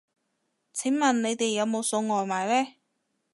請問你哋有冇送外賣呢